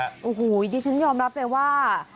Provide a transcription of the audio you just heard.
อย่างจริงฉันยอมรับเลยว่า